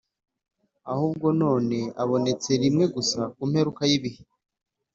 Ahubwo none abonetse rimwe gusa ku mperuka y'ibihe,